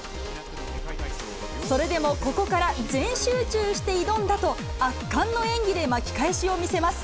それでもここから全集中して挑んだと、圧巻の演技で巻き返しを見せます。